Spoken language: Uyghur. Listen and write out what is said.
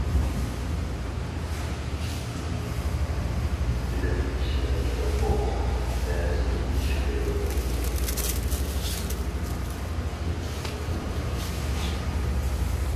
بىلىملىك كىشىلەر كىتاب ئوقۇپ، مەنىسىنى يېشىپ بېرىدۇ.